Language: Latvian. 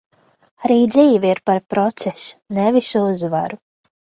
Arī dzīve ir par procesu, nevis uzvaru.